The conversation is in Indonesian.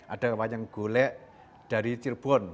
ada wayang golek dari cirebon